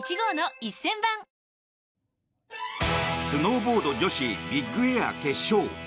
スノーボード女子ビッグエア決勝。